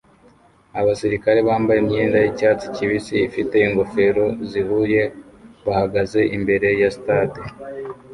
Abasirikare bambaye imyenda yicyatsi kibisi ifite ingofero zihuye bahagaze imbere ya stade